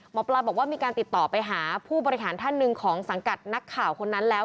หมอปลาบอกว่ามีการติดต่อไปหาผู้บริหารท่านหนึ่งของสังกัดนักข่าวคนนั้นแล้ว